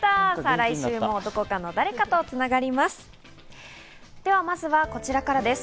来週もどこかの誰かとつながります。